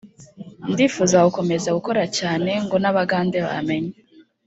ndifuza gukomeza gukora cyane ngo n’abagande bamenye